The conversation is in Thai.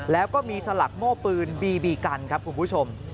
แล้วก็มีสลักโม่ปืนบีบีกันครับคุณผู้ชม